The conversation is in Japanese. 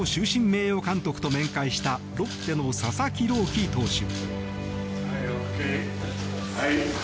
名誉監督と面会したロッテの佐々木朗希投手。